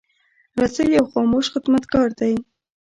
رسۍ یو خاموش خدمتګار دی.